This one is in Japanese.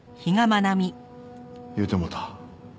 言うてもうた。